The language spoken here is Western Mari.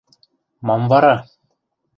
– Мам вара?